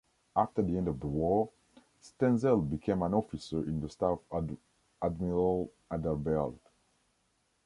After the end of the war, Stenzel became an officer in the staff of Admiral Adalbert.